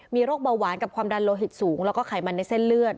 มีโรคเบาหวานกับความดันโลหิตสูงแล้วก็ไขมันในเส้นเลือด